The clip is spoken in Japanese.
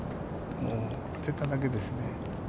当てただけですね。